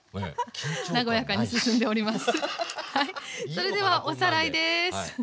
それではおさらいです。